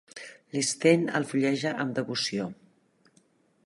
L'Sten el fulleja amb devoció.